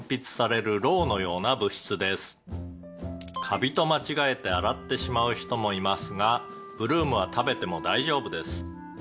「カビと間違えて洗ってしまう人もいますがブルームは食べても大丈夫です」